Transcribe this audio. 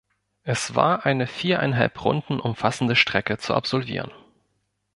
Es war eine viereinhalb Runden umfassende Strecke zu absolvieren.